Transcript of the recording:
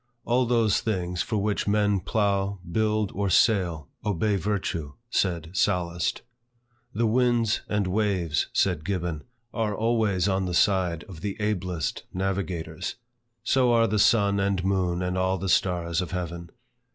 "All those things for which men plough, build, or sail, obey virtue;" said Sallust. "The winds and waves," said Gibbon, "are always on the side of the ablest navigators." So are the sun and moon and all the stars of heaven.